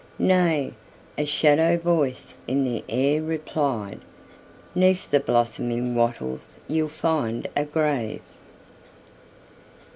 "Nay," a shadow voice in the air replied,"'Neath the blossoming wattles you 'll find a grave!"